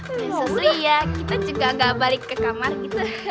pesos lia kita juga gak balik ke kamar gitu